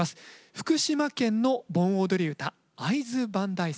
福島県の盆踊り唄「会津磐梯山」。